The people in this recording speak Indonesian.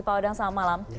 pak odang selamat malam